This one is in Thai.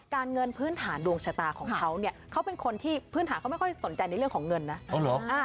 เงินพื้นฐานดวงชะตาของเขาเนี่ยเขาเป็นคนที่พื้นฐานเขาไม่ค่อยสนใจในเรื่องของเงินนะ